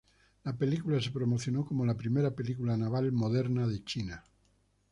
La película se promocionó como la "primera película naval moderna de China".